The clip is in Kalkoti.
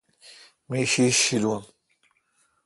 می ݭیݭ ݭیلون۔